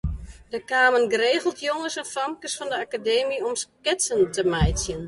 Der kamen geregeld jonges en famkes fan de Akademy om sketsen te meitsjen.